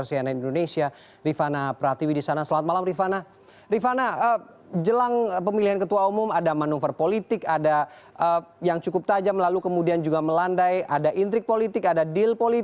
tetap di layar demokrasi